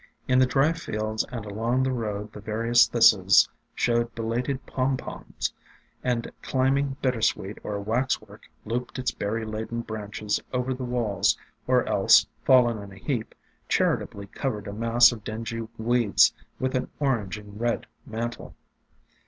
In the dry fields and along the road the various Thistles showed belated pom pons, and Climbing Bittersweet or Wax work looped its berry laden branches over the walls, or else, fallen in a heap, chari tably covered a mass of dingy weeds with an orange and red mantle.